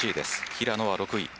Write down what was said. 平野は６位。